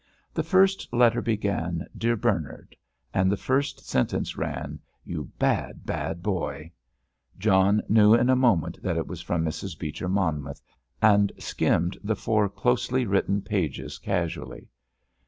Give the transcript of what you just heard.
The first letter began: "Dear Bernard," and the first sentence ran: "You bad, bad boy." John knew in a moment that it was from Mrs. Beecher Monmouth, and skimmed the four closely written pages casually.